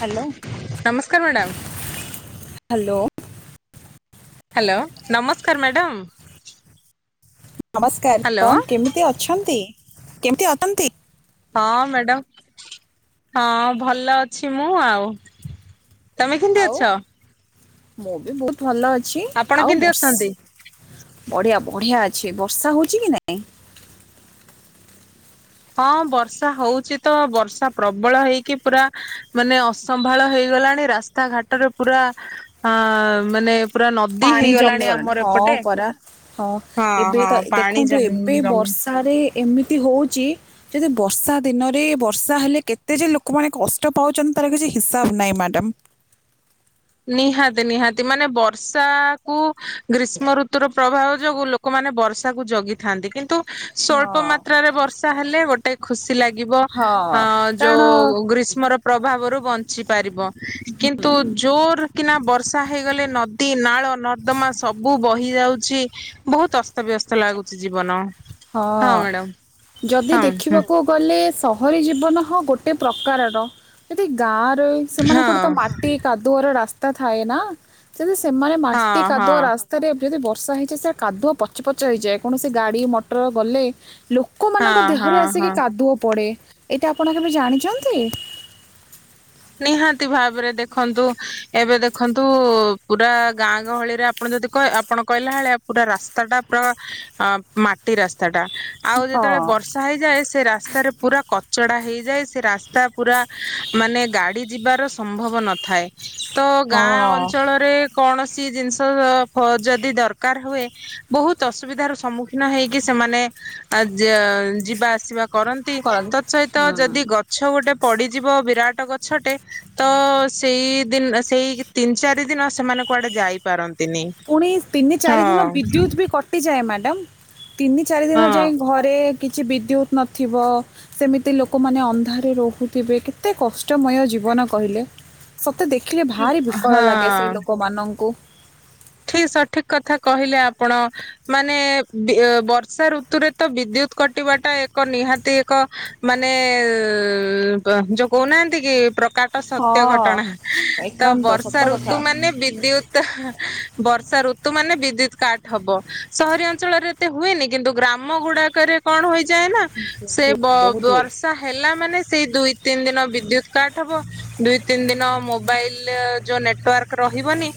Hello. ନମସ୍କାର madam. Hello. Hello ନମସ୍କାର madam. ନମସ୍କାର କଣ କେମିତି ଅଛନ୍ତି? କେମିତି ଅଟନ୍ତି? ହଁ ମ୍ୟାଡାମ ହଁ ଭଲ ଅଛି ମୁଁ ଆଉ, ତମେ କେମିତି ଆଉ ଅଛ? ମୁଁ ବି ବହୁତ ଭଲ ଅଛି ଆପଣ ଆଉ କେମିତି ବର୍ଷ ଅଛନ୍ତି? ବଢିଆ ବଢିଆ ଅଛି ବର୍ଷା ହଉଛି କି ନାଇଁ? ହଁ ବର୍ଷା ହଉଚ ତ ବର୍ଷା ପ୍ରବଳ ହେଇକି ପୁରା ମାନେ ଅସମ୍ଭାଳ ହେଇଗଲାଣି ରାସ୍ତାଘାଟରେ ପୁରା ଅ ମାନେ ପୁରା ନଦୀ ପାଣି ହେଇଗଲାଣି ଜମିଗଲାଣି ଆମର ହଁ ଏପଟେ। କରରା ହଁ ଏବେ ହଁ ତ ପାଣି ଦେଖନ୍ତୁ ଜମି ଏବେ ଜମି ବର୍ଷାରେ ଏମିତି ହଉଛି ଯଦି ବର୍ଷା ଦିନରେ ବର୍ଷା ହେଲେ କେତେ ଯେ ଲୋକମାନେ କଷ୍ଟ ପାଉଛନ୍ତି ତାର କିଛି ହିସାବ ନାହିଁ ମ୍ୟାଡ଼ାମ। ନିହାତି ନିହାତି ମାନେ ବର୍ଷା କୁ ଗ୍ରୀଷ୍ମ ଋତୁର ପ୍ରଭାବ ଯୋଗୁ ଲୋକମାନେ ବର୍ଷାକୁ ଜଗିଥାନ୍ତି କିନ୍ତୁ, ସ୍ୱଳ୍ପ ହଁ। ମାତ୍ରାରେ ବର୍ଷା ହେଲେ ଗୋଟେ ଖୁସି। ଲାଗିବ ହଁ ଆନ୍ କାରଣ ଯୋଉ ଗ୍ରୀଷ୍ମର ପ୍ରଭାବରୁ ବଞ୍ଚି ପାରିବ। କିନ୍ତୁ ଜୋ କିନା ବର୍ଷା ହେଇଗଲେ ନଦୀ ନାଳ ନର୍ଦ୍ଦମା ସବୁ ବହି ଯାଉଛି ବହୁତ ଅସ୍ତବ୍ୟସ୍ତ ଲାଗୁଛି ଜୀବନ ହଁ ଯଦି ହଁ ଦେଖିବାକୁ ହଁ ଗଲେ ସେ ସହରୀ ଜୀବନ ହ ଗୋଟେ ପ୍ରକାରର ଯଦି ଗାଁ ସେମାନଙ୍କର ତ ମାଟି କାଦୁଅର ରାସ୍ତା ତା ଥାଏ ନା। ଯଦି ସେମାନେ ହଁ ମାଟି ହଁ ହଁ କାଦୁଅ ରାସ୍ତାରେ ଯଦି ବର୍ଷା ହେଇଯାଏ ସେ କାଦୁଆ ପଚପଚ ହେଇଯାଏ କୌଣସି ଗାଡି ମ୍ ଗଲେ ଲୋ ଲୋକମାନଙ୍କ ହଁ ହଁ ଦେହରେ ହଁ ଆସିକି କାଦୁଅ ପଡେ଼। ଏଇଟା ଆପଣ କେବେ ଜାଣିଛନ୍ତି? ନିହାତି ଭାବରେ ଦେଖନ୍ତୁ ଏବେ ଦେଖନ୍ତୁ ପୁରା ଗାଁ ଗହଳିରେ ଆପଣ ଯଦି ଆପଣ କହିଲା ଭଳିଆ ପୁରା ରାସ୍ତା ଟା ପୁରା ମାଟି ରାସ୍ତାଟା ଟା ଆଉ ହଁ ଯେତେବେଳେ ବର୍ଷା ହେଇଯାଏ ସେ ରାସ୍ତାରେ ପୁରା କ ଚଡ଼ା ହେଇଯାଏ ସେ ରାସ୍ତା ପୁରା ମାନେ ଗାଡ଼ି ଯିବାର ସମ୍ଭବ ନଥାଏ। ତ ହଁ ଗାଁ ଅଞ୍ଚଳରେ କୌଣସି ଜିନିଷ ଯଦି ଦରକାର ହୁଏ ବହୁତ ଅସୁବିଧା ର ସମ୍ମୁଖୀନ ହେଇକି ସେମାନେ ଯିବା ଆସିବା କରନ୍ତି କରନ୍ତୁ ତତ୍ ସହିତ ହୁଁ ଯଦି ଗଛ ଗୋଟେ ପଡିଯିବ ବିରାଟ ଗ ଛଟେ ତ ସେଇ ଦିନ ସେଇ ତିନି ଚାରି ଦିନ ସେମାନେ କୁଆଡେ ଯାଇପାର ପୁଣି ତିନି ଚାରି ଦିନ ବିଦ୍ୟୁତ ବି କଟିଯାଏ ମ୍ୟାଡାମ୍। ଖାଲି। ତିନି ଚାରି ଦିନ ହଁ ଯାଏ ଘରେ କିଛି ବିଦ୍ୟୁତ ନଥିବ ସେମିତି ଲୋକମାନେ ଅନ୍ଧାରେ ରହୁଥିବେ କେତେ କଷ୍ଟମୟ ଜୀବନ କହିଲେ? ମତେ ଦେଖିଲେ ଭାରି ବିକଳ ଲାଗେ ସେଇ ଲୋକମାନଙ୍କୁ। ଠିକ୍ ସଠିକ୍ କଥା କହିଲେ ଆପଣ ମାନେ ବର୍ଷା ଋତୁରେ ତ ବିଦ୍ୟୁତ୍ କଟିବା ଟା ଏକ ନିହାତି ଏକ ମାନେ ଯୋଉ କହୁନାହାନ୍ତି କି ପ୍ର କାଟ ସତ୍ୟ ହଁ ଘଟଣା ତ ଏକାନ୍ତ ବର୍ଷା ସତ କଥା ଋତୁ ମାନେ ବିଦ୍ୟୁତ୍ ବର୍ଷା ଋତୁ ମାନେ ବିଦ୍ୟୁତ କାଟ ହବ ସହରୀ ଅଞ୍ଚଳରେ ଏତେ ହୁଏନି କିନ୍ତୁ ଗ୍ରାମ ଗୁଡାକରେ କଣ ହୋଇ ଯାଏ ନା ସେ ବ ବହୁତ- ବହୁତ ହୁଏ ବର୍ଷା ହେଲା ମାନେ ସେଇ ଦୁଇ ତିନି ଦିନ ବିଦ୍ୟୁତ କାଟ ହବ ଦୁଇ ତିନି ଦିନ ମୋବାଇଲ ଯୋଉ ନେଟୱାର୍କ ରହିବନି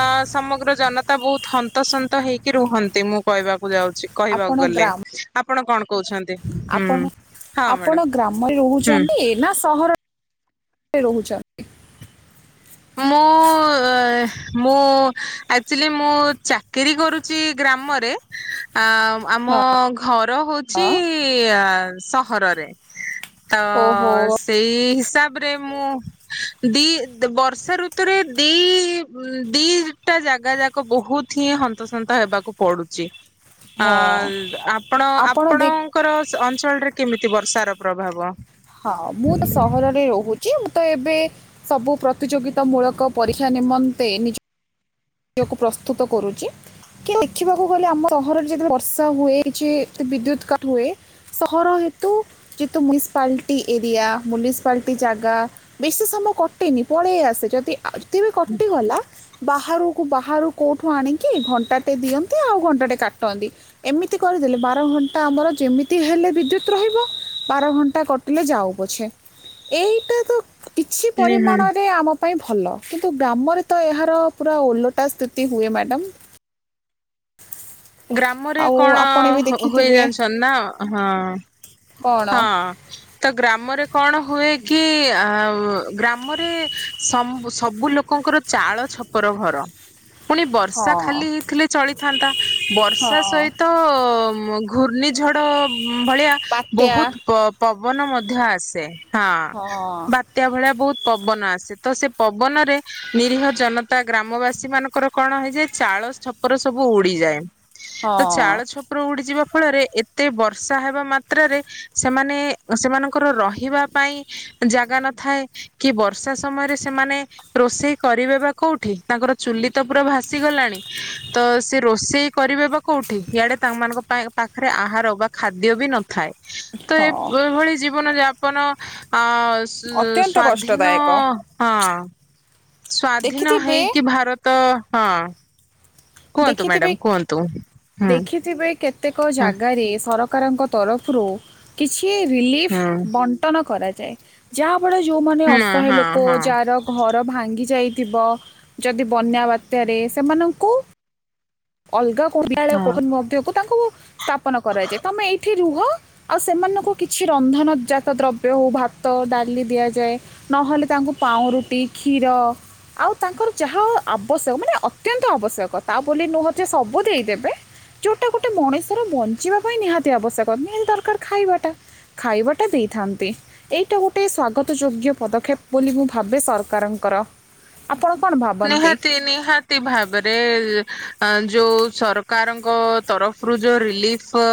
ଅଁ ସମଗ୍ର ଜନତା ବହୁତ ହନ୍ତସନ୍ତ ହେଇକି ରୁହନ୍ତି ମୁଁ କହିବାକୁ ଯାଉଛି କହିବାକୁ ଆପଣ ଗଲେ ଆପ୍ ଗ୍ରାମ ଆପଣ କଣ କହୁଛନ୍ତି? ହୁଁ ଆପଣ ହଁ ମ୍ୟାଡାମ ଆପଣ ଗ୍ରାମରେ ହୁଁ। ରହୁଛନ୍ତି ନା ସହର? ରେ ରହୁଛନ୍ତି? ମୁଁ ମୁଁ ଆକଚୁଲି ମୁଁ ଚାକିରୀ କରୁଛି ଗ୍ରାମରେ। ଆ ଆମ ଘର ହଉଛି ହଁ ଆ ସହରରେ ତ ଓହୋ ସେଇ ହିସାବ। ରେ ମୁଁ ଦି ବର ଷା ଋତୁରେ ଦି ଦିଟା ଜାଗା ଯାକ ବହୁତ ହିଁ ହନ୍ତସନ୍ତ ହେବାକୁ ପଡୁଛି। ଅ ହଁ ଆପଣ ଆପଣଙ୍କର ଅଞ୍ଚଳରେ। କେମିତି ବର୍ଷାର ପ୍ରଭାବ। ହଁ ମୁଁ ତ ସହରରେ ରହୁଛି ମୁଁ ତ ଏବେ ସବୁ ପ୍ରତିଯୋଗି ମୂଳକ ପରୀକ୍ଷା ନିମନ ତେ ନିଜ ନିଜକୁ ପ୍ରସ୍ତୁତ କରୁଛି କି ଦେଖିବାକୁ ଗଲେ ଆମ ସହରରେ ଯେବେ ବର୍ଷା ହୁଏ କିଛି ବିଦ୍ୟୁତ କାଟ ହୁଏ ସହର ହେତୁ ଯେହେତୁ ମୁନିସିପାଲିଟି ଏରିଆ ମୁନିସିପାଲିଟି ଜାଗା ବେଶୀ ସମୟ କଟେନି ପଳେଇ ଆସେ ଯଦି ଆଉ ଯଦି ବି କଟିଗଲା। ବାହାରୁ। କୁ ବାହାରୁ କେଉଠୁ ଆଣିକି ଘଣ୍ଟାଟେ ଦିଅନ୍ତି ଆଉ ଘଣ୍ଟାଟେ କାଟନ୍ତି ଏମିତି କରିଦେଲେ ବାର ଘଣ୍ଟା ଆମର ଯେମିତି ହେଲେ ବିଦ୍ୟୁତ ରହିବ ବାର ଘଣ୍ଟା କଟିଲେ ଯାଉ ପଛେ ଏଇଟା ତ କିଛି ନିହାତି ପରିମାଣରେ ଆମ ପାଇଁ। ଭଲ କିନ୍ତୁ ଗ୍ରାମରେ ତ ଏହାର ପୁରା ଓଲ ସ୍ଥିତି ହୁଏ ମ୍ୟାଡ଼ମ। ଗ୍ରାମରେ ଆଉ କଣ ଆପଣ ବି ହ ହୁଏ ଦେଖିଥିବେ ଜାଣିଛନ ନା ହଁ। କ'ଣ ହଁ ତ ଗ୍ରାମରେ କଣ ହୁଏ କି ଆ ଗ୍ରାମରେ ସ-ସବୁ ଲୋକଙ୍କର ଚାଳ ଛପର ଘର ପୁଣି ବର୍ଷା ହଁ ଖାଲି ହେଇଥିଲେ ଚଳିଥାନ୍ତା ହଁ ବର୍ଷା ସହିତ ଘୂର୍ଣ୍ଣିଝଡ଼ ଭଳିିଆ ବାତ୍ୟା ବହୁତ ପ ପବନ ମଧ୍ୟ ଆସେ ହଁ ବାତ୍ୟା ଭଳିଆ ବହୁତ ପବନ ଆସେ ତ ସେ ପବନରେ ନିରୀହ ଜନତା ଗ୍ରାମବାସୀ ମାନଙ୍କର କଣ ହେଇଯାଏ ଚାଳ ଛପର ସବୁ ଉଡିଯାଏ। ହଁ ତ ଚାଳ ଛପର ଉଡିଯିବା ଫଳରେ ଏତେ ବର୍ଷା ହେବା ମା ମାତ୍ରାରେ ସେମାନେ ସେମାନଙ୍କର ରହିବା ପାଇଁ ଜାଗା ନଥାଏ କି ବର୍ଷା ସମୟରେ ସେମାନେ ରୋଷେଇ କରିବେ ବା କୋଉଠି ତାଙ୍କର ଚୁଲି ତ ପୁରା ଭାସି ଗଲାଣି ତ ସେ ରୋଷେଇ କରିବେ ବା କୋଉଠି ଇଆଡେ ତାଙ୍କମାନଙ୍କ ପା ପାଖରେ ଆହାର ବା ଖାଦ୍ୟ ବି ନ ଥାଏ। ତ ଏ ହଁ ଭଳି ଜୀବନ ଯାପ ଯାପନ ଆଁ। ଅତ୍ୟନ୍ତ ସ-ସ-ସ୍ଵାଧୀନ କଷ୍ଟଦାୟକ ହଁ। ସ୍ଵାଧୀନ ଦେଖିଥିବେ ହେଇକି ଭାର ତ ହଁ। କୁହନ୍ତୁ ମ୍ୟାଡାମ ଦେଖିଥିବେ କୁହନ୍ତୁ ହୁଁ ପ୍ରତ୍ୟେକ ହଁ ଜାଗାରେ ସରକାରଙ୍କ ତରଫରୁ କିଛି କି ରିଲିଫ୍ ହୁଁ ବଣ୍ଟନ କରାଯାଛି ଯାହା ଯେତେବେଳେ ଯଉମାନେ ହଁ ଅସହାୟ ଲୋକ ହଁ ହଁ ଯାହାର ଘର ଭାଙ୍ଗି ଯାଇ ଥିବ ଯଦି ବନ୍ୟା ବାତ୍ୟାରେ ସେମାନଙ୍କୁ ଅଲଗା କଳେ ହଁ। କ ମ ହବ ତାଙ୍କୁ ସ୍ଥାପନ କରାଯାଏ ତମେ ଏଇଠି ରୁହ ଆଉ ସେମାନଙ୍କୁ କିଛି ରନ୍ଧନ ଜାତ ଦ୍ରବ୍ୟ ହଉ ଭାତ ଡାଲି ଦିଆଯାଏ ନହେଲେ ତାଙ୍କୁ ପାଉଁରୁଟି କ୍ଷୀର ଆଉ ତାଙ୍କର ଯାହା ଆବଶ୍ୟକ ମାନେ ଅତ୍ୟନ୍ତ ଆବଶ୍ୟକ ତା ବୋଲି ନୁହଁ ଯେ ସବୁ ଦେଇଦେବେ ଯେଉଁଟା ଗୋଟେ ମଣିଷର ବଞ୍ଚିବା ପାଇଁ ନିହାତି ଆବଶ୍ୟକ ନିହାତି ଦରକାର ଖାଇବାଟା ଖାଇବାଟା ଦେଇଥାନ୍ତି ଏଇଟା ଗୋଟେ ସଵାଗତ ଯୋଗ୍ୟ ପଦକ୍ଷେପ ବୋଲି ମୁଁ ଭାବେ ସରକାରଙ୍କର ଆପଣ କ'ଣ ଭାବନ୍ତି ନିହାତି ନିହାତି ଭାବରେ ଯେଉଁ ସରକାରଙ୍କ ତରଫରୁ ଯେଉ ରିଲିଫ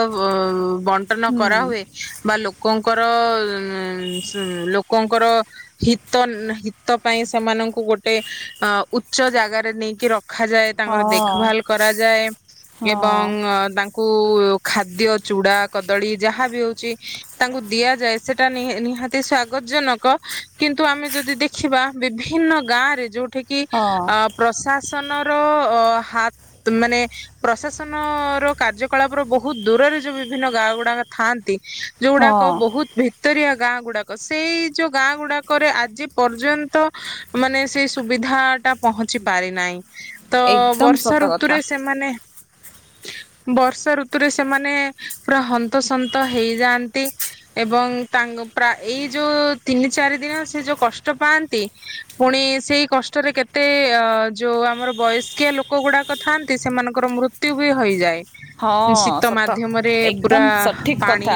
ବଣ୍ଟନ ହୁଁ କରାହୁଏ ବା ଲୋକ ଙ୍କର ଉ ଲୋକଙ୍କର ହିତ ହିତ ପାଇଁ ସେମାନଙ୍କୁ ଗୋଟେ ଉଚ୍ଚ ଜାଗାରେ ନେଇକି ରଖ। ରଖାଯାଏ ହଁ ତାଙ୍କର ଦେଖଭାଲ କରାଯାଏ ଏବଂ ହଁ ତାଙ୍କ କୁ ଖାଦ୍ୟ ଚୁଡା କଦଳୀ ଯାହା ବି ହଉଛି ତାଙ୍କୁ ଦିଆଯାଏ ସେଟା ନିହାତି ସ୍ଵାଗତ ଜନକ କିନ୍ତୁ ଆମେ ଯଦି ଦେଖିବା ବିଭିନ୍ନ ଗାଁ ରେ ଯୋଉଠି କି ହଁ ଅ ପ୍ରସାଦ ପ୍ରାସନର ଅ ହାତ ମାନେ ପ୍ରଶାସନର କାର୍ଯ୍ୟକଳାପର ବହୁତ ଦୂରରେ ଯୋଉ ବିଭିନ୍ନ ଗାଁ ଗୁଡାକ ଥାଆନ୍ତି। ଯୋଉ ହଁ ଗଡାକ ବହୁତ ଭିତରିଆ ଗାଁ ଗୁଡାକ ସେଇ ଯୋଉ ଗାଁ ଗୁଡାକରେ ଆଜି ପର୍ଯ୍ୟନ୍ତ ମାନେ ସେଇ ସୁବିଧାଟା ପହଞ୍ଚି ପାରିନାହିଁ। ତ ଏକଦମ୍ ବର୍ଷା ସତ କଥା ଋତୁରେ ସେମାନେ ବର୍ଷା ଋତୁରେ ସେମାନେ ପୁରା ହନ୍ତସନ୍ତ ହେଇଯାଆନ୍ତି ଏବଂ ତାଙ୍କ ଏଇ ଯୋଉ ତିନି ଚାରି ଦିନ ସେ ଯୋଉ କଷ୍ଟ ପାଆନ୍ତି ପୁଣି ସେଇ କଷ୍ଟରେ କେତେ ଯେଉଁ ଆମର ବୟସ୍କିଆ ଲୋକ ଗୁଡ଼ାକ ଥାଆନ୍ତି ସେମାନଙ୍କର ମୃତ୍ୟୁ ବି ହୋଇଯାଏ। ହଁ ଶୀତ ସତ ମାଧ୍ୟମରେ ପୁରା ଏକଦମ୍ ସଠିକ୍ ପାଣି କଥା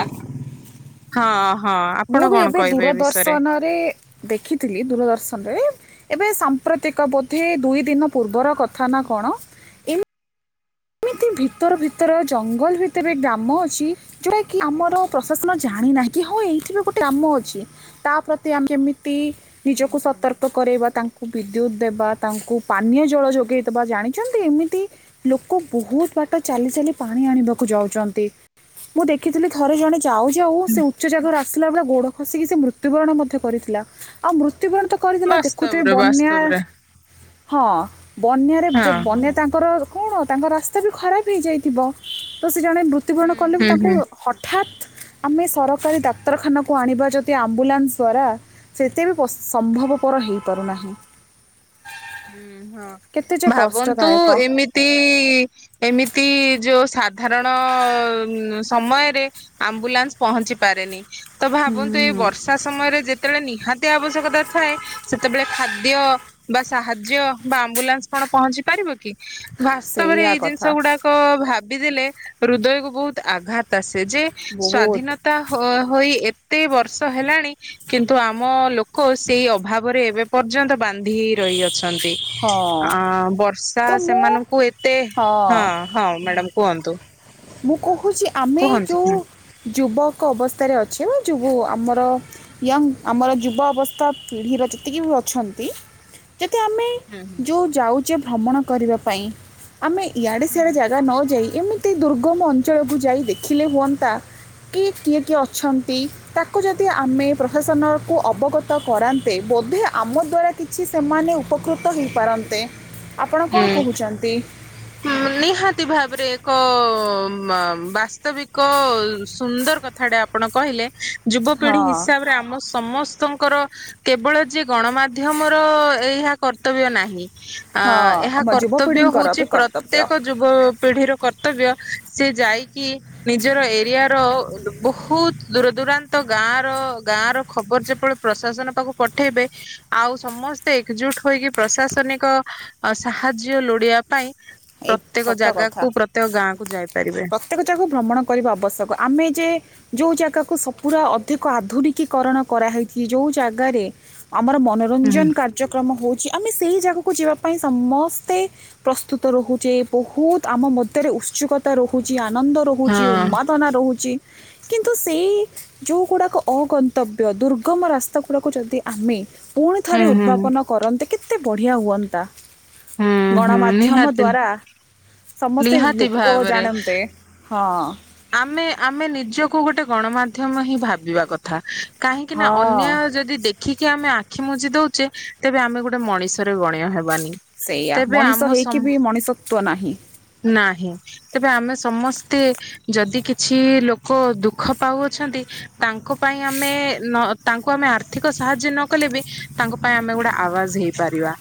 ହଁ ହଁ ଆପଣ ମୁଁ ବି କଣ ଏବେ କହିବେ ଏ ବିଷୟରେ? ଦୂରଦର୍ଶନରେ ଦେଖିଥିଲି ଦୂରଦର୍ଶନରେ ଏବେ ପ୍ରତ୍ୟେକ ବୋଧେ ଦୁଇ ଦିନ ପୂର୍ବର କଥା ନା କଣ ଏତି ଏମିତି ଭିତର ଭିତର ଜଙ୍ଗଲ ଭିତରେ ଗ୍ରାମ ଅଛି ଯୋଉଟା କି ଆମର ପ୍ରଶାସନ ଜାଣିନାହିଁ କି ହଁ ଏଇଠ ବି ଗୋଟେ ଗାମ ଅଛି ତା ପ୍ରତି ଆମେ କେମି ହୁଁ ନିଜକୁ ହୁଁ। ସତର୍କ କରାଇବା ତାଙ୍କୁ ବି ବିଦ୍ୟୁତ ଦେବା ତାଙ୍କୁ ପାନୀୟ ଜଳ ଯୋଗେଇ ଦେବା ଜାଣିଛନ୍ତି ଏମିତି ଲୋକ ବହୁତ ବାଟ ଚାଲି ଚାଲି ପାଣି ଆଣିବାକୁ ଯାଉଛନ୍ତି ମୁଁ ଦେଖିଥିଲି ଥରେ ଜଣେ ଯାଉ ଯଉ ସେ ଉଚ୍ଚ ଜାଗାରୁ ଆସିଲା ବେଳେ ଗୋଡ ଖସିକି ସେ ମୃତ୍ୟୁବରଣ ମଧ୍ୟ କରିଥିଲା ଆଉ ମୃ ମୁତ୍ୟୁ ବରଣ କରିଥିଲା ଦେଖୁଥିବେ ବାସ୍ତବରେ ବନ୍ୟା ବାସ୍ତବରେ [unintelligible] ହଁ। ବନ୍ୟାରେ ହଁ ଯ ହଁ ବନ୍ୟା ତାଙ୍କର କ'ଣ ତାଙ୍କ ରାସ୍ତା ବି ଖରାପ ହେଇଯାଇଥିବ ତ ସେ ଜଣେ ମୃତ୍ୟୁବରଣ ହୁଁ କଲେ ବି ହୁଁ ତାଙ୍କୁ ହୁଁ। ହଠାତ୍ ଆମେ ସରକାରୀ ଡାକ୍ତରଖାନାକୁ ଆଣିବା ଯଦି ଆମ୍ବୁଲାନ୍ସ ଦ୍ୱାରା ସେତେ ବି ସମ୍ଭବପର ହୋଇଇପାରୁନାହିଁ। ହୁଁ ହଁ ଭାବନ୍ତୁ କଷ୍ଟଦାୟକ ଏମିତି ଏମିତି ଯୋଉ ସାଧାରଣ ସମୟରେ ଆମ୍ବୁଲାନ୍ସ ପହଞ୍ଚି ପାରେନି। ତ ଭାବନ୍ତୁ ହୁଁ ଏଇ ବର୍ଷା ସମୟରେ ଯେତେବେଳେ ନିହାତି ଆବଶ୍ୟକତା ଥାଏ ସେତେବେଳେ ଖାଦ୍ୟ ବା ସାହାଯ୍ୟ ବା ଆମ୍ବୁଲାନ୍ସ କଣ ପହଞ୍ଚି ପାରିବ କି? ବାସ୍ତବରେ ସେଇଆ ଏଇ ଜିନିଷ କଥା ଗୁଡାକ ଭାବ ଦେଲେ ହୃଦୟକୁ ବହୁତ ଆଘାତ ଆସେ। ଯେ ବହୁତ ସ୍ଵାଧୀନତା ହୋ ହୋଇ। କେତେ ବର୍ଷ ହେଲାଣି କିନ୍ତୁ ଆମ ଲୋକ ସେଇ ଅଭାବରେ ଏବେ ପର୍ଯ୍ୟନ୍ତ ବାନ୍ଧି ରହି ଅଛନ୍ତି ହଁ ଆ ବର୍ଷା ତ ମୁଁ ସେମାନଙ୍କୁ ଏତେ ହଁ ହଁ ମ୍ୟାଡ଼ମ କୁହନ୍ତୁ। [unintelligible] ଦେଖୁଛି ଆମେ କୁହନ୍ତୁ ଯେଉ ହୁଁ। ଯୁବକ ଅବସ୍ଥାରେ ଅଛି ଯୁଗୁ ଆମର ୟଙ୍ଗ ଆମର ଯୁବ ଅବସ୍ଥା ପିଢ଼ିର ଯେତିକି ବି ଅଛନ୍ତି। ଯଦି ଆମେ ହୁଁ ଜୋଉ ଯାଉ ର୍ଯ୍ୟ ଭ୍ରମଣ କରିବା ପାଇଁ ଆମେ ଇଆଡ଼େ ହୁଁ ହୁଁ ସିଆଡ଼େ ଜାଗା ନ ଯାଇ ଏମତି ଦୁର୍ ଗମ ଅଞ୍ଚଳକୁ ଯାଇ ଦେଖିଲେ ହୁଅନ୍ତା କି କିଏ କିଏ ଅଛନ୍ତି ତାକୁ ଯଦି ଆମେ ପ୍ରଫାସନକୁ ଅବଗତ କରାନ୍ତେ ବୋଧେ ଆମ ଦ୍ୱାରା କିଛି ସେମାନେ ଉପକୃତ ହୋଇଇପାରନ୍ତେ। ହୁଁ ନିହାତି ଭାବରେ। ଏକ ବାସ୍ତବିକ ସୁନ୍ଦର କଥାଟା ଆପଣ କହିଲେ। ହଁ ଯୁବପିଢି ହିସାବରେ ଆମ ସମସ୍ତଙ୍କର କେବଳ ଯେ ଗଣମାଧ୍ୟମ ର ଏହା କର୍ତ୍ତବ୍ୟ ନାହିଁ। ହଁ। ତା ଆମ କର୍ତ୍ତବ୍ୟ ଯୁବପିଢ଼ିଙ୍କର ହଉଛି ବି କର୍ତ୍ତବ୍ୟ ପ୍ରତ୍ୟେକ ଯୁବ ପିଢ଼ିର କର୍ତ୍ତବ୍ୟ ସେ ଯାଇକି ନିଜର ଏରିଆ ର ବହୁତ ଦୂର ଦୂରାନ୍ତ ଗାଁ ର ଗାଁ ର ଖବର ଯେପରି ପ୍ରଶାସନ ପାଖକୁ ପଠେଇବେ ଆଉ ସମସ୍ତେ ଏକଜୁଟ ହୋଇକି ପ୍ରଶାସନିକ ଅ ସାହାଯ୍ୟ ଲୋଡ଼ିବା ପାଇଁ ଏକ ପ୍ରତ୍ୟେକ ସତ ଜାଗାକୁ କଥା ପ୍ରତ୍ୟେକ ଗାଁକୁ ଯାଇପାରିବେ। ପ୍ରତ୍ୟେକ ଜାଗକୁ ଭ୍ରମଣ କରିବା ଆବଶ୍ୟକ ଆମେ ଯେ ଯୋଉ ଜାଗା ସ ପୁରା ଅଧିକ ଆଧୁନିକୀକରଣ କରାହେଇଛି ଯୋଉ ଜାଗାରେ ଆମର ହୁଁ ମନୋରଞ୍ଜନ କାର୍ଯ୍ୟକ୍ରମ ହଉଛି ଆମେ ସେଇ ଜାଗାକୁ ଯିବା ପାଇଁ ସମସ୍ତେ ପ୍ରସ୍ତୁ ରହୁଛେ ବହୁତ ଆମ ମଧ୍ୟରେ ଉତ୍ସୁକତା ରହୁଛି। ଆନନ୍ଦ ହଁ ରହୁଛି ଉନ୍ମାଦନା ରହୁଛି। କିନ୍ତୁ ସେଇ ଯଉ ଗୁଡ଼ାକ ଅଗନ୍ତବ୍ୟ ଦୁର୍ଗମ ରାସ୍ତା ଗୁଡ଼ାକୁ ଯଦି ଆମେ ପୁଣି ଥରେ ହୁଁ ହୁଁ ଉଦ୍ଭାବନ କରନ୍ତେ କି ଏତେ ବଢ଼ିଆ ହୁଅନ୍ତା। ହୁଁ ହୁଁ ଗଣମାଧ୍ୟ ନିହାତି ନିହାତି ଲୋକ ଭାବରେ ଜାଣନ୍ତେ ହଁ ଆମେ ଆମେ ନିଜକୁ ଗୋଟେ ଗଣମାଧ୍ୟମ ହିଁ ଭାବିବା କଥା କାହିଁକି ନା ହଁ ଅନ୍ୟାୟ ଯଦି ଦେଖିକି ଆମେ ଆ ଆଖି ମୁୁଜି ଦଉଛେ ତେବେ ଆମେ ଗୋଟେ ମଣିଷରେ ଗଣୀୟ ହେବାନି। ସେଇୟା ତେବେ ଆମ ମଣିଷ ସମ ହେଇକି ବି ମଣିଷତ୍ଵ ନାହିଁ। ନାହିଁ ତେବେ ଆମେ ସମସ୍ତେ ଯଦି କିଛି ଲୋକ ଦୁଃଖ ପାଉଅଛନ୍ତି ତାଙ୍କ ପାଇଁ ଆମେ ତାଙ୍କୁ ଆମେ ଆର୍ଥିକ ସାହାଯ୍ୟ ନ କଲେ ବି ତାଙ୍କ ପାଇଁ ଆମେ ଗୋଟେ ଆବାଜ ହେଇପାରିବା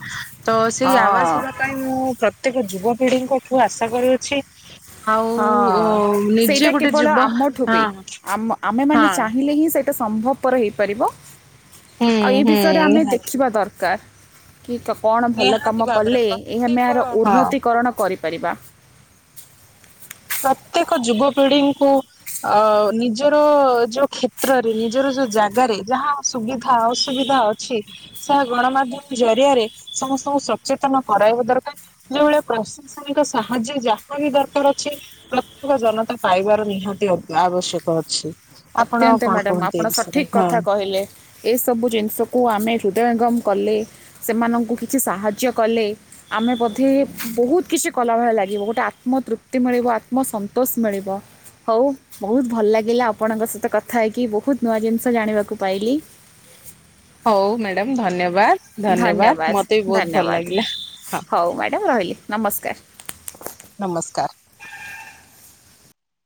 ସେ ଆ ବା ହଁ ସୁଧା କ ମୁଁ ପ୍ରତ୍ୟେକ ଯୁବପିଢିଙ୍କ ଠୁ ଆଶା କରୁଅଛି ଆଉ ହଁ ନିଜେ ସେଇଟା ଗୋଟେ କେବଳ ଯୁବ ଆମଠୁ ହଁ ବି ଆମ ଆମେ ମାନେ ହଁ ଚାହିଁଲେ ହିଁ ସେ ସମ୍ଭବପର ହେଇପାରିବ ହୁଁ ଆଉ ଏ ହୁଁ ବିଷୟରେ ଆମେ ନିହାତି ଦେଖିବା ଦରକାର କି କଣ ଭଲ ନିହାତି କାମ ଭାବରେ କଲେ ଏ ଆମେ ପ୍ରତ୍ୟେକ ଏହାର ହଁ ଉନ୍ନତିକରଣ କରିପାରିବା ପ୍ରତ୍ୟେକ ଯୁବପିଢିଙ୍କୁ ଅ ନିଜର ଯୋଉ କ୍ଷେତ୍ରରେ ନିଜର ଯୋଉ ଜାଗାରେ ଯାହା ସୁବିଧା ଅସୁବିଧା ଅଛି ସେହା ଗଣମାଧ୍ୟମ ଜରିଆରେ ସମସ୍ତଙ୍କୁ ସଚେତନ କରାଇବା ଦରକାର ଯୋଉଭଳିଆ ପ୍ରଶାସନିକ ସାହାଯ୍ୟ ଯାହା ବି ଦରକାର ପ୍ରତ୍ୟେକ ଜନତା ପାଇବାର ନିହାତି ଆବଶ୍ୟକ ଅଛି ଆପଣ ଅତ୍ୟନ୍ତ କଣ ମ୍ୟାଡାମ କୁହନ୍ତି ଆପଣ ଏ ବିଷୟରେ ସଠିକ ହଁ। କଥା କହିଲେ ଏସବୁ ଜିନିଷକୁ ଆମେ ହୃଦୟଙ୍ଗମ କଲେ ସେମାନଙ୍କୁ କିଛି ସାହାଯ୍ୟ କଲେ ଆମେ ବୋଧେ ବହୁତ କିଛି କଲା ଭଳେ ଲାଗିବ ଗୋଟେ ଆତ୍ମତୃପ୍ତି ମିଳିବ ଆତ୍ମସନ୍ତୋଷ ମିଳିବ ହଉ ବହୁତ ଭଲ ଲାଗିଲା ଆପଣଙ୍କ ସହିତ କଥା ହେଇକି ବହୁତ ନୂଆ ଜିନିଷ ଜାଣିବାକୁ ପାଇଲି ହଉ ମ୍ୟାଡ଼ାମ ଧନ୍ୟବାଦ ମତେ ବି ଧନ୍ୟବାଦ ବହୁତ ଭଲ ଧନ୍ୟବାଦ ଲାଗିଲା। ହଁ ହଉ ମ୍ୟାଡ଼ାାମ ରହିଲି ନମସ୍କାର ନମସ୍କାର